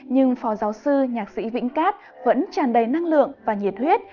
nhưng phó giáo sư nhạc sĩ vĩnh cát vẫn tràn đầy năng lượng và nhiệt huyết